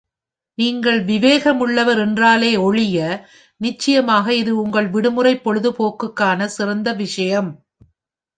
நீங்கள் விவேகமுள்ளவர் என்றாலே ஒழிய, நிச்சயமாக இது உங்கள் விடுமுறை பொழுதுபோக்குக்கான சிறந்த விஷயம்.